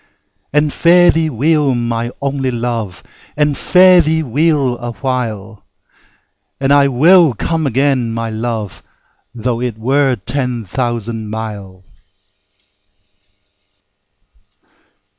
And fare thee weel, my only Luve, And fare thee weel a while! And I will come again , my Luve, Tho' it were ten thousand mile.